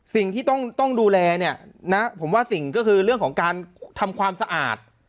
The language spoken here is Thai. สิ่งที่ต้องดูแลเนี่ยนะผมว่าสิ่งก็คือเรื่องของการทำความสะอาด